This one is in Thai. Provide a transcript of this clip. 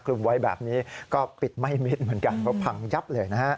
ไว้แบบนี้ก็ปิดไม่มิดเหมือนกันเพราะพังยับเลยนะฮะ